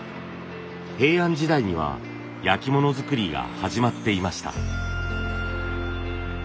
平安時代には焼き物作りが始まっていました。